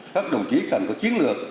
các đồng chí cần có chiến lược